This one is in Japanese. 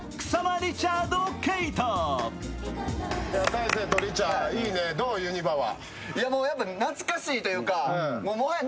大晴とリチャ、いいね、どう、ユニバは？